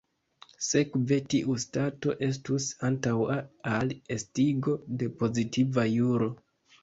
Sekve, tiu stato estus antaŭa al estigo de pozitiva juro.